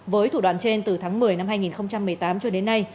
với thủ đoạn trên từ tháng một mươi năm hai nghìn một mươi tám cho đến nay